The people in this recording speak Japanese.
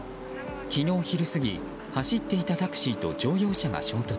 昨日昼過ぎ走っていたタクシーと乗用車が衝突。